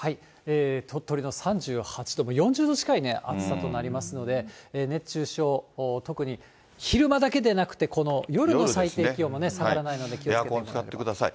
鳥取の３８度、４０度近い暑さとなりますので、熱中症、特に昼間だけでなくて、この夜の最低気温も下がらないので気をつエアコン使ってください。